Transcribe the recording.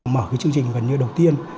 mở chương trình gần như đầu tiên